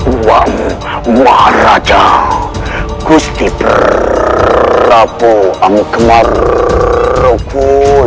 uangmu uang raja